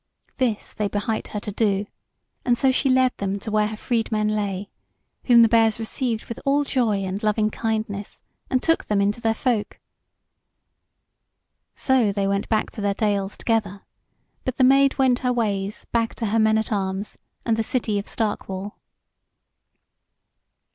This they behight her to do, and so she led them to where her freedmen lay, whom the Bears received with all joy and loving kindness, and took them into their folk. So they went back to their dales together; but the Maid went her ways back to her men at arms and the city of Stark wall.